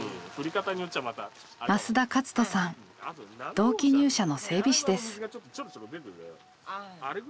同期入社の整備士です。